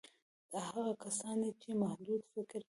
دا هغه کسان دي چې محدود فکر کوي